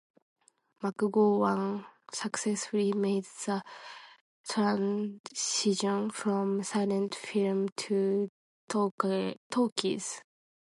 McGowan successfully made the transition from silent film to talkies.